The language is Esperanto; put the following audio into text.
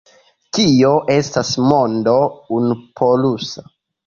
Kio estas mondo unupolusa?